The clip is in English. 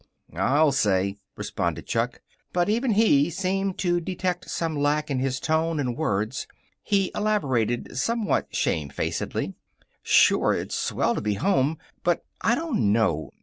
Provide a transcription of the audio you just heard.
"I'll say," responded Chuck. But even he seemed to detect some lack in his tone and words. He elaborated somewhat shamefacedly: "Sure. It's swell to be home. But I don't know.